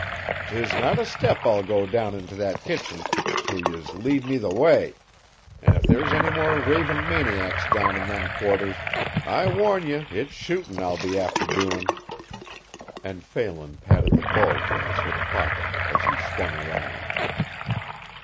"'Tis not a step I'll go down into that kitchen till yez lead me the way, and if there's any more ravin' maniacs down in them quarters I warn ye it's shootin' I'll be after doin'." And Phelan patted the bulge in his hip pocket as he swung around.